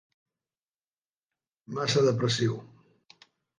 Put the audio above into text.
Massa depressiu!